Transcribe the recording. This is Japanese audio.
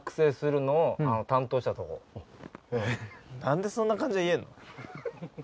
何でそんな感じで言えんの？